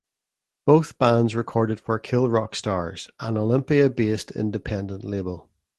Both bands recorded for Kill Rock Stars, an Olympia-based independent label.